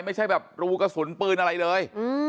ไม่ใช่แบบรูกระสุนปืนอะไรเลย